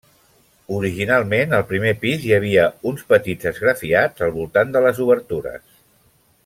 Originalment, al primer pis hi havia uns petits esgrafiats al voltant de les obertures.